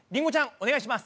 お願いします！